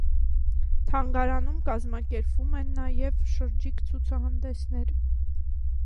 Թանգարանում կազմակերպվում են նաև շրջիկ ցուցահանդեսներ։